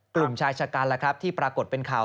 กลุ่มชายชะกันแหละครับที่ปรากฏเป็นข่าว